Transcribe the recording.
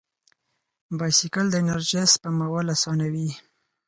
بایسکل د انرژۍ سپمول اسانوي.